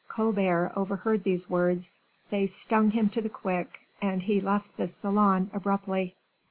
Colbert overheard these words; they stung him to the quick, and he left the salon abruptly.